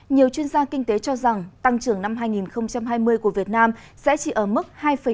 nhiều chuyên gia kinh tế cho rằng tăng trưởng năm hai nghìn hai mươi của việt nam sẽ chỉ ở mức hai bảy